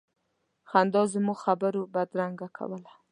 خندا زموږ خبرو بدرګه کوله.